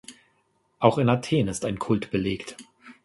Auch in Athen ist ein Kult belegt.